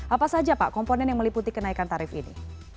apa saja pak komponen yang meliputi kenaikan tarif ini